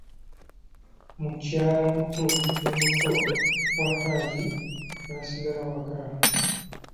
Mukyalamuto, ne muto wa Hajji baasigala waka.